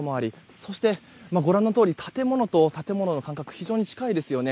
そして、建物と建物の間隔が非常に近いですよね。